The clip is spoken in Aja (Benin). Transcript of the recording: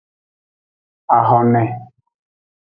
Ahone.